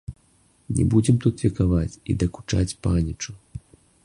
Не будзем тут векаваць і дакучаць панічу.